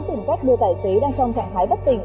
tìm cách đưa tài xế đang trong trạng thái bất tỉnh